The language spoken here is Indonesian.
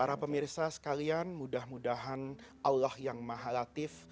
para pemirsa sekalian mudah mudahan allah yang maha latif